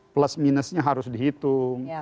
plus minusnya harus dihitung